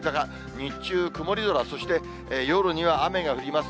日中、曇り空、そして夜には雨が降ります。